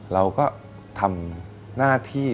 เราก็ทำหน้าที่